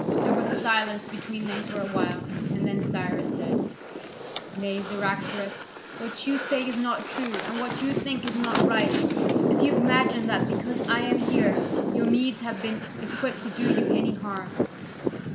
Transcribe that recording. There was silence between them for a while, and then Cyrus said: "Nay, Cyaxares, what you say is not true, and what you think is not right, if you imagine that because I am here, your Medes have been equipt to do you any harm.